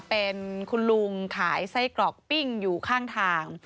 เป็นคุณลุงขายไส้กรอกปิ้งอยู่ข้างทาง